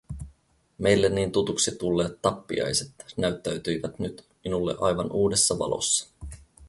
Meille niin tutuksi tulleet tappiaiset näyttäytyivät nyt minulle aivan uudessa valossa.